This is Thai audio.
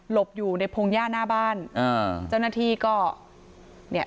อยู่ในพงหญ้าหน้าบ้านอ่าเจ้าหน้าที่ก็เนี่ย